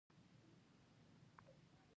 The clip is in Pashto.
په باران کې مالګه وړي کېږي.